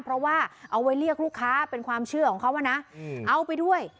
เพราะว่าเอาไว้เรียกลูกค้าเป็นความเชื่อของเขานะเอาไปด้วย